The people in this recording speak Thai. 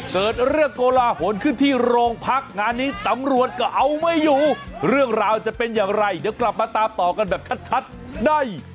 เกิดเรื่องโกลาหลขึ้นที่โรงพักงานนี้ตำรวจก็เอาไม่อยู่เรื่องราวจะเป็นอย่างไรเดี๋ยวกลับมาตามต่อกันแบบชัดได้